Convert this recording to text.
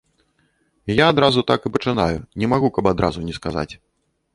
Я адразу так і пачынаю, не магу, каб адразу не сказаць.